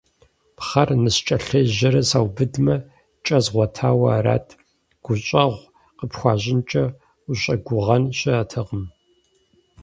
Пхъэр ныскӀэлъежьэрэ саубыдмэ, кӀэ згъуэтауэ арат, гущӀэгъу къыпхуащӀынкӀэ ущӀэгугъэн щыӀэтэкъым.